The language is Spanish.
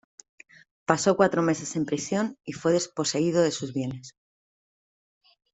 Pasó cuatro meses en prisión y fue desposeído de sus bienes.